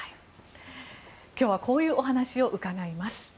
今日はこういう話を伺います。